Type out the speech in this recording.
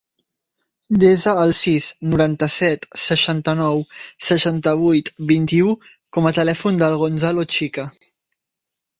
Desa el sis, noranta-set, seixanta-nou, seixanta-vuit, vint-i-u com a telèfon del Gonzalo Chica.